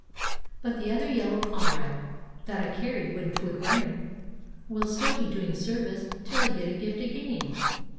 But the other yellow comrade that I carried when 'twould rain Will still be doing service 'till I get a gift again.